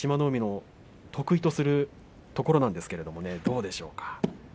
海の得意とするところなんですけれども、どうでしょうか。